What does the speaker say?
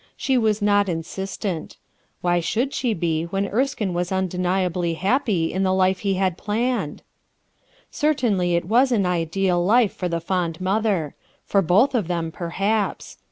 She was not insistent. Why 09 70 RUTH ERSKINE'S SON should she be, when Erskine was undeniably happy in the life he had planned? Certainly it was an ideal life for the fond mother; for both of them, perhaps.